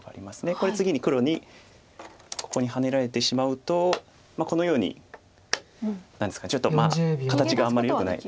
これ次に黒にここにハネられてしまうとこのように何ですかちょっと形があんまりよくない。